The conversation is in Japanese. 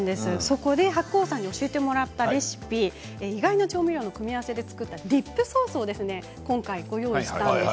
白央さんに教えてもらったレシピいろんな調味料の組み合わせで作ったディップソースをご用意しました。